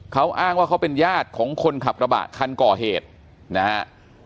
เขาอ้างว่าเขาเป็นญาติของคนขับกระบะคันก่อเหตุนะฮะ